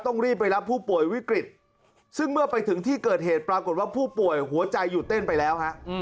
ต้องรีบไปรับผู้ป่วยวิกฤตซึ่งเมื่อไปถึงที่เกิดเหตุปรากฏว่าผู้ป่วยหัวใจหยุดเต้นไปแล้วฮะ